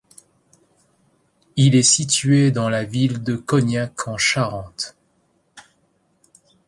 Il est situé dans la ville de Cognac en Charente.